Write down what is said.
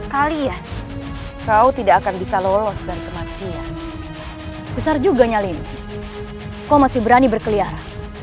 kalian kau tidak akan bisa lolos dari kematian besar juga nyalim kau masih berani berkeliar